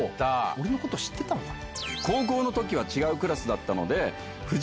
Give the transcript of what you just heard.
俺のこと知ってたのかな？